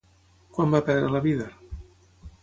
Quan va perdre la vida?